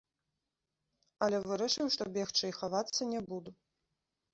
Але вырашыў, што бегчы і хавацца не буду.